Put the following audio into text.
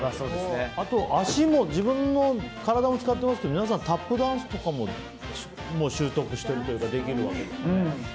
足も自分の体を使ってますけど皆さんタップダンスとかも習得してるというかできるわけですかね。